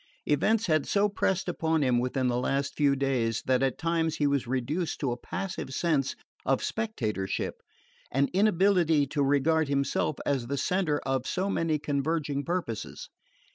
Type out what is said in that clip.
Events had so pressed upon him within the last few days that at times he was reduced to a passive sense of spectatorship, an inability to regard himself as the centre of so many converging purposes.